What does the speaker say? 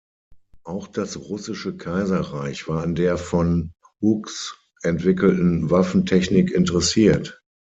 Auch das Russische Kaiserreich war an der von Hughes entwickelten Waffentechnik interessiert.